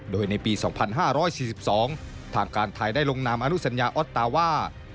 โดยในปี๒๕๔๒ทางการไทยได้ลงนามอนุสัญญาออสตาร์ว่า